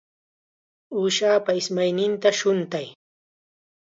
Uushapa ismayninta shuntay.